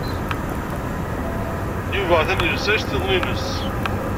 Yuba atan yelsa iceṭṭiḍen-nnes.